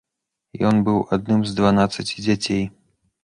Ён быў адным з дванаццаці дзяцей.